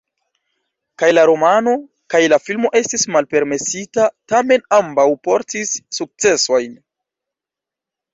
Kaj la romano, kaj la filmo estis malpermesita, tamen ambaŭ portis sukcesojn.